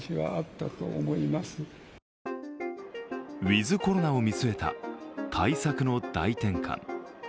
ウィズ・コロナを見据えた対策の大転換。